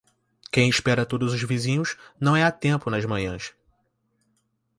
Quem espera todos os vizinhos, não é a tempo nas manhãs.